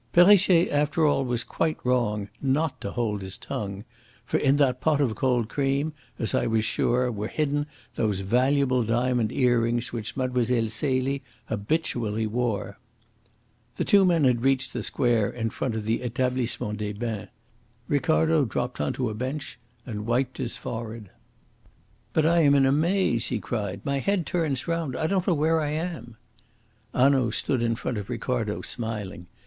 "Perrichet after all was quite wrong not to hold his tongue. For in that pot of cold cream, as I was sure, were hidden those valuable diamond earrings which Mlle. Celie habitually wore." The two men had reached the square in front of the Etablissement des Bains. Ricardo dropped on to a bench and wiped his forehead. "But I am in a maze," he cried. "My head turns round. I don't know where I am." Hanaud stood in front of Ricardo, smiling.